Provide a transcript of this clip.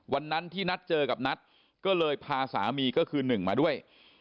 วันนั้นที่นัดเจอกับนัทก็เลยพาสามีก็คือหนึ่งมาด้วย